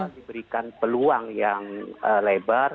diberikan peluang yang lebar